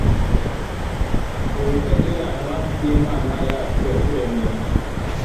ubutagereranywa bw imana yacu yaturemye